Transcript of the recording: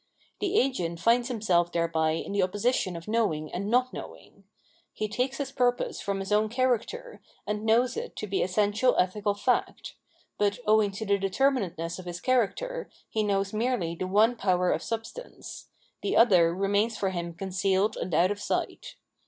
The agent finds himself thereby in the opposition of knowing and not knowing. He takes his purpose from his own character, and knows it to be essential ethical fact ; but owing to the determinateness of his character, he knows merely the one power of substance ; the other remains for him concealed and out of sight.